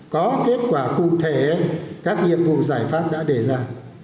có kết quả cụ thể các nhiệm vụ giải pháp đã đề ra